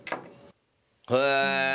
へえ！